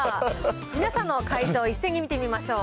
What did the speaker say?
皆さんの解答、一斉に見てみましょう。